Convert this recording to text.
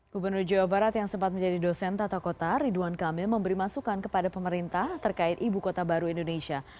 gubernur jawa barat yang sempat menjadi dosen tata kota ridwan kamil memberi masukan kepada pemerintah terkait ibu kota baru indonesia